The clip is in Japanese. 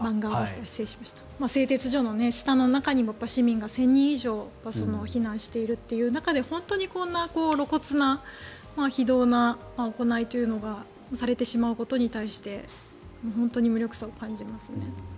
製鉄所の下の中にも市民が１０００人以上避難しているという中で本当にこんな露骨な非道な行いというのがされてしまうことに対して本当に無力さを感じますね。